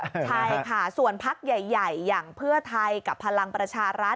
ใช่ค่ะส่วนพักใหญ่อย่างเพื่อไทยกับพลังประชารัฐ